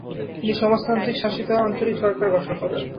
তিনি সমাজতান্ত্রিকশাসিত আঞ্চলিক সরকার গঠন করেন।